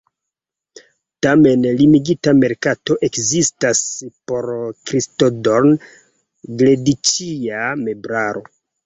Tamen, limigita merkato ekzistas por kristodorn-glediĉia meblaro.